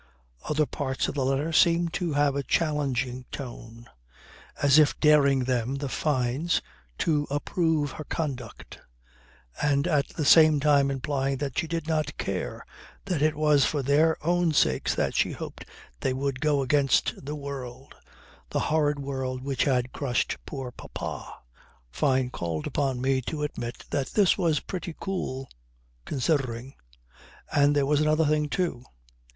Other parts of the letter seemed to have a challenging tone as if daring them (the Fynes) to approve her conduct. And at the same time implying that she did not care, that it was for their own sakes that she hoped they would "go against the world the horrid world which had crushed poor papa." Fyne called upon me to admit that this was pretty cool considering. And there was another thing, too.